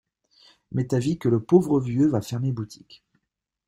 M'est avis que le pauvre vieux va fermer boutique.